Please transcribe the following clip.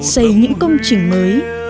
xây những công trình mới